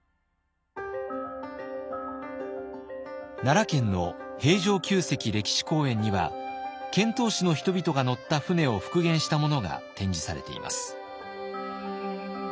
奈良県の平城宮跡歴史公園には遣唐使の人々が乗った船を復元したものが展示されています。